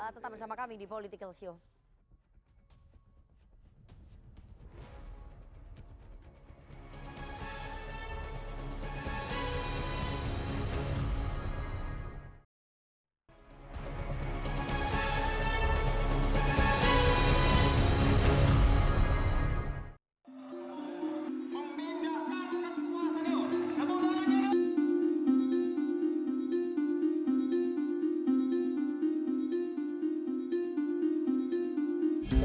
tetap bersama kami di politikkel show